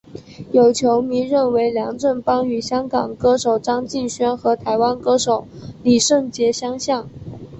有球迷认为梁振邦与香港歌手张敬轩和台湾歌手李圣杰相像。